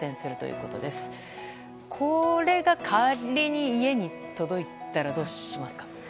これが仮に家に届いたらどうしますか？